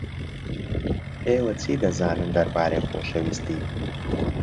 ئێوە چی دەزانن دەربارەی خۆشەویستی؟